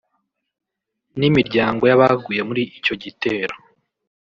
n'imiryango y'abaguye muri icyo gitero